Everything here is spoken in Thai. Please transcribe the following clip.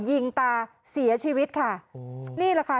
ยิงตาเสียชีวิตค่ะนี่แหละค่ะ